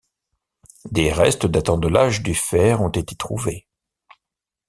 Des restes datant de l'âge du fer ont été trouvés.